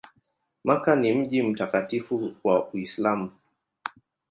Makka ni mji mtakatifu wa Uislamu.